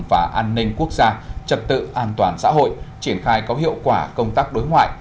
và an ninh quốc gia trật tự an toàn xã hội triển khai có hiệu quả công tác đối ngoại